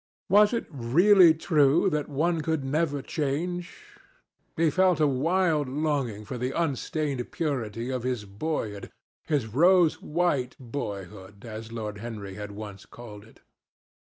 Was it really true that one could never change? He felt a wild longing for the unstained purity of his boyhood—his rose white boyhood, as Lord Henry had once called it.